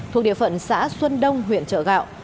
thuộc địa phận xã xuân đông huyện trợ gạo